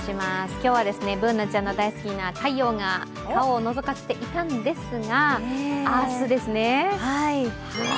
今日は、Ｂｏｏｎａちゃんの大好きな太陽が顔をのぞかせていたんですが明日ですね。